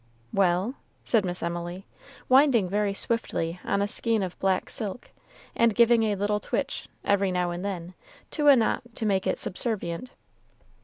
"Well?" said Miss Emily, winding very swiftly on a skein of black silk, and giving a little twitch, every now and then, to a knot to make it subservient.